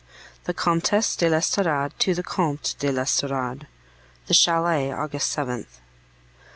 THE COMTESSE DE L'ESTORADE TO THE COMTE DE L'ESTORADE THE CHALET, August 7th.